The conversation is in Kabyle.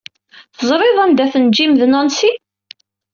Teẓriḍ anda-ten Jim d Nancy?